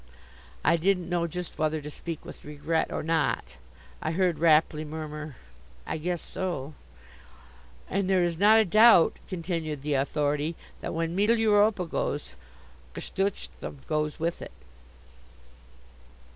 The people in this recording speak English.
I didn't know just whether to speak with regret or not. I heard Rapley murmur, "I guess so." "And there is not a doubt," continued the Authority, "that when Mittel Europa goes, Grossdeutschthum goes with it."